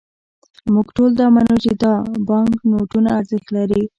موږ ټول دا منو، چې دا بانکنوټونه ارزښت لري.